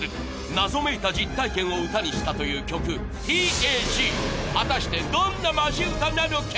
謎めいた実体験を歌にしたという曲『ＴＡＺ』果たしてどんなマジ歌なのか？